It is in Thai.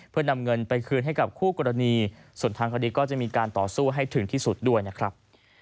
เพื่อนำเงินไปคืนให้กับคู่กรณีส่วนทางคดีก็จะมีการต่อสู้ให้ถึงที่สุดด้วยนะครับ